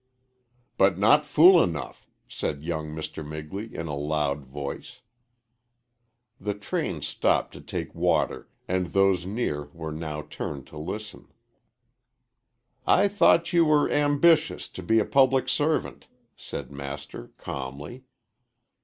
"But not fool enough," said young Mr. Migley, in a loud voice. The train stopped to take water, and those near were now turned to listen. "I thought you were ambitious to be a public servant," said Master, calmly.